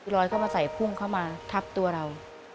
เข้ามาใส่พุ่งเข้ามาทับตัวเรา